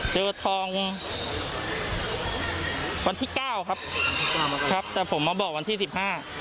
เจอทองวันที่เก้าครับครับแต่ผมมาบอกวันที่สิบห้า